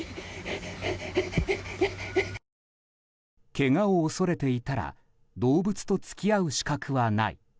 けがを恐れていたら動物と付き合う資格はない。